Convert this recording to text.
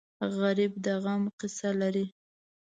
غریب د غم قصه لري